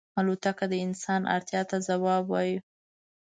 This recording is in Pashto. الوتکه د انسان اړتیا ته ځواب وايي.